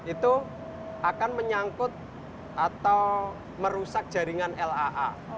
itu akan menyangkut atau merusak jaringan laa